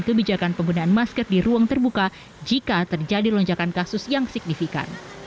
kebijakan penggunaan masker di ruang terbuka jika terjadi lonjakan kasus yang signifikan